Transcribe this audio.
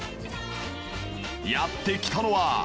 やって来たのは。